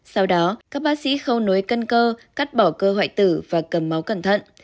sau đó các bác sĩ khâu nối căn cơ cắt bỏ cơ hoại tử và cầm máu cẩn thận